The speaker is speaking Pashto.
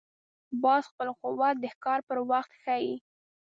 باز خپل قوت د ښکار پر وخت ښيي